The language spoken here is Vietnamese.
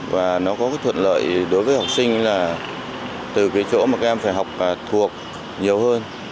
và nó có cái thuận lợi đối với học sinh là từ cái chỗ mà các em phải học thuộc nhiều hơn